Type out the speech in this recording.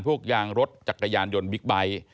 พวกยางรถจักรยานยนต์บิ๊กไบท์